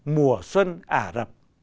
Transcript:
mùa xuân ả rập